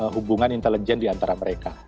hubungan intelijen diantara mereka